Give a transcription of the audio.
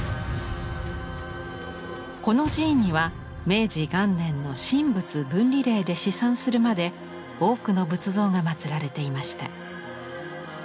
この寺院には明治元年の神仏分離令で四散するまで多くの仏像がまつられていました。